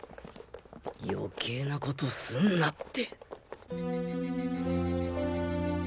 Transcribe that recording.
余計なコトすんなって